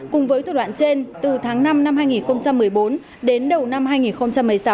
cùng với thủ đoạn trên từ tháng năm năm hai nghìn một mươi bốn đến đầu năm hai nghìn một mươi sáu